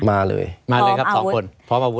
มาเลยครับ๒คนพร้อมอาวุธ